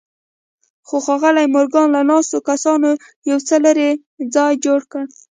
خو ښاغلي مورګان له ناستو کسانو یو څه لرې ځای جوړ کړ